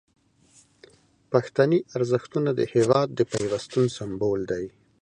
پښتني ارزښتونه د هیواد د پیوستون سمبول دي.